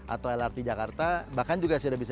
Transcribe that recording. atau lrt jakarta bahkan juga sudah bisa